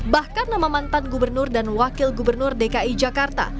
bahkan nama mantan gubernur dan wakil gubernur dki jakarta